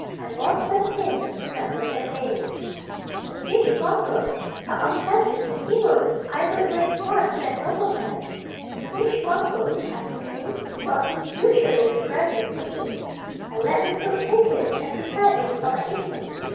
I was destined to remember that day. The fishmonger (talk of statues to heroes! I would raise one to that noble man!) the fishmonger, I say, brought his usual little present to me. I let the cook take it and prepare it for my eating.